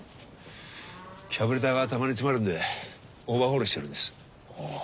キャブレターがたまに詰まるんでオーバーホールしてるんです。